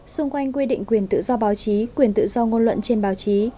xung quanh quy định quyền tự do báo chí quyền tự do ngôn luận trên báo chí